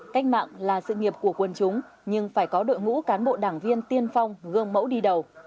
cách mạng là sự nghiệp của quân chúng nhưng phải có đội ngũ cán bộ đảng viên tiên phong gương mẫu đi đầu